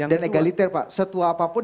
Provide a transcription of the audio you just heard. dan egaliter pak setua apapun